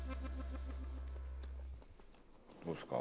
どうですか？